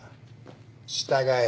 従え。